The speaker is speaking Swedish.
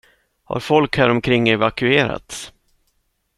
Har folk häromkring evakuerats?